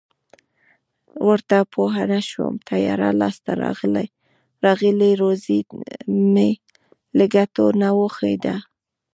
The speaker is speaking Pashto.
ورته پوه نشوم تیاره لاس ته راغلې روزي مې له ګوتو نه و ښویېده.